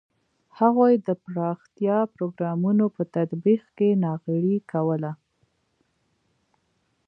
هغوی د پراختیايي پروګرامونو په تطبیق کې ناغېړي کوله.